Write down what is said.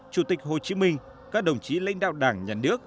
chủ tịch hồ chí minh các đồng chí lãnh đạo đảng nhà nước